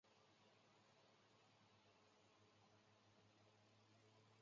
蒙大拿领地系自爱达荷领地分裂诞生。